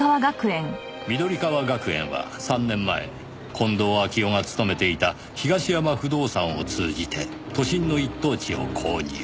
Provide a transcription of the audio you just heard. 緑川学園は３年前近藤秋夫が勤めていた東山不動産を通じて都心の一等地を購入。